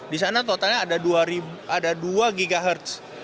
di sana totalnya ada dua ghz